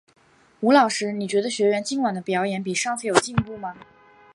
吴老师，你觉得学员今晚的表演比上次有进步吗？